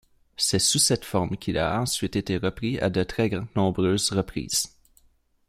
C’est sous cette forme qu’il a ensuite été repris à de très nombreuses reprises.